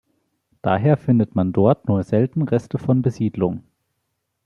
Daher findet man dort nur selten Reste von Besiedlung.